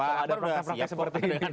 pak abar sudah siap seperti ini